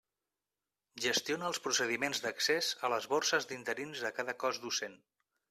Gestiona els procediments d'accés a les borses d'interins de cada cos docent.